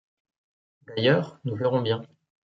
D’ailleurs, nous verrons bien.